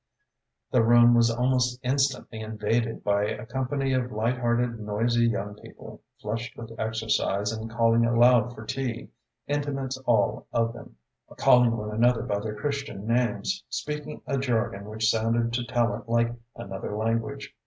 The room was almost instantly invaded by a company of light hearted, noisy young people, flushed with exercise and calling aloud for tea, intimates all of them, calling one another by their Christian names, speaking a jargon which sounded to Tallente like another language.